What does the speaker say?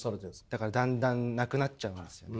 だからだんだんなくなっちゃうんですよね。